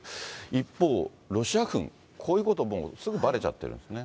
一方、ロシア軍、こういうこともすぐばれちゃってるんですよね。